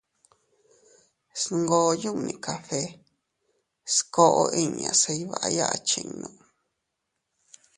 Sngoo yunni café skoʼo inña se iyvaya achinnu.